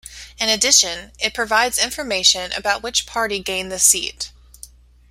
In addition, it provides information about which party gained the seat.